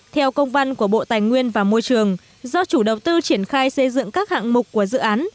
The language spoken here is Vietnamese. theo công văn của bộ tài nguyên và môi trường do chủ đầu tư triển khai xây dựng các hạng mục của dự án